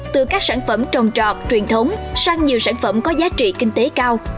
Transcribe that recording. từ các sản phẩm trồng trọt truyền thống sang nhiều sản phẩm có giá trị kinh tế cao